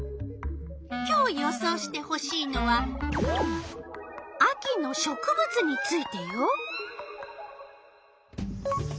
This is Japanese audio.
今日予想してほしいのは秋の植物についてよ。